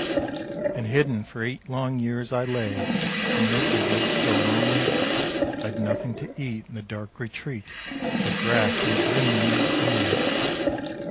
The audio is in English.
And hidden for eight long years I lay Amid the woods so lonely; I'd nothing to eat in that dark retreat But grass and green leaves only.